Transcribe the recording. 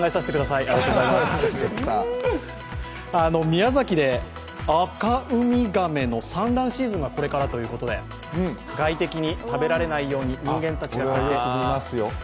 宮崎でアカウミガメの産卵シーズンがこれからということで外敵に食べられないように人間たちがこうやって。